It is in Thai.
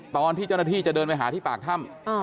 ตอนที่เจ้าหน้าที่จะเดินไปหาที่ปากถ้ำ